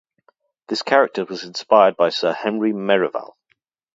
This character was inspired by Sir Henry Merrivale.